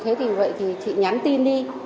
thế thì vậy thì chị nhắn tin đi